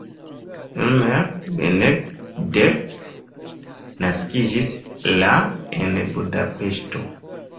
Imre Benedek naskiĝis la en Budapeŝto.